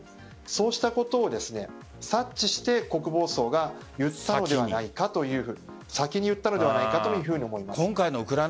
そうしたことを察知して国防相が言ったのではないか先に言ったのではないかと思います。